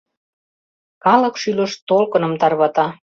Калык шӱлыш толкыным тарвата.